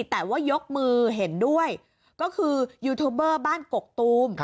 แต่ว่ายกมือเห็นด้วยก็คือยูทูบเบอร์บ้านกกตูม